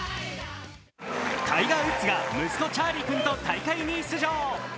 タイガー・ウッズが息子チャーリー君と大会に出場。